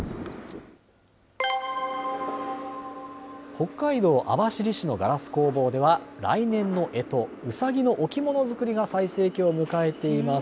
北海道網走市のガラス工房では、来年のえと、うさぎの置物作りが最盛期を迎えています。